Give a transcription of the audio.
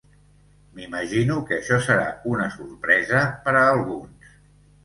M'imagino que això serà una sorpresa per a alguns.